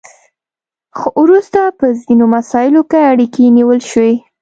خو وروسته په ځینو مساییلو کې اړیکې نیول شوي